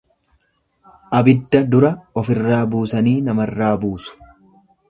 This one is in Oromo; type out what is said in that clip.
Abidda dura ofirraa buusanii namarraa buusu.